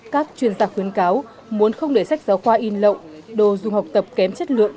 các chuyên gia khuyến cáo muốn không để sách giáo khoa in lậu đồ dùng học tập kém chất lượng